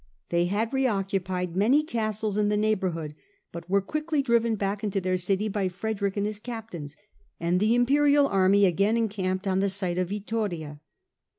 They had reoccupied many castles in the neighbourhood, but were quickly driven back into their city by Frederick and his captains, and the Imperial army again encamped on the site of Vittoria.